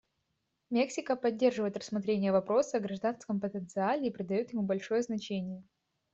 Мексика поддерживает рассмотрение вопроса о гражданском потенциале и придает ему большое значение.